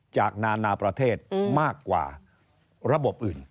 นานาประเทศมากกว่าระบบอื่น